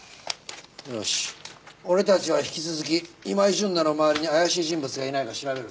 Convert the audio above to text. よし俺たちは引き続き今井純奈の周りに怪しい人物がいないか調べるぞ。